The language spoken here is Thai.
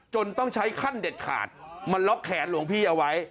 ต้องใช้ขั้นเด็ดขาดมาล็อกแขนหลวงพี่เอาไว้